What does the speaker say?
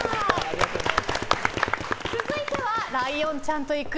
続いてはライオンちゃんと行く！